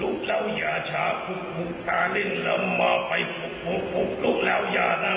ลูกเราอย่าชาตาลิงล์ลมมาไปลูกแล้วยาดา